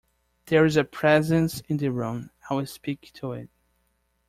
There is a presence in the room; I will speak to it.